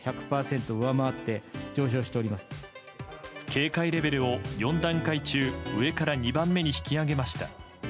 警戒レベルを４段階中上から２番目に引き上げました。